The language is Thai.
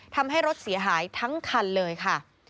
ทำให้รถเสียหายทั้งคันเลยค่ะ